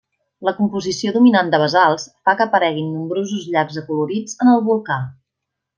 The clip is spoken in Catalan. La composició dominant de basalts fa que apareguin nombrosos llacs acolorits en el volcà.